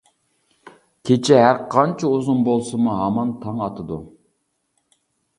كېچە ھەرقانچە ئۇزۇن بولسىمۇ، ھامان تاڭ ئاتىدۇ!